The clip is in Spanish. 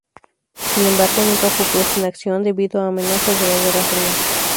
Sin embargo nunca fue puesto en acción debido a amenazas de la Guerra Fría.